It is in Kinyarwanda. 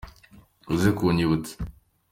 uze kunyibutsa.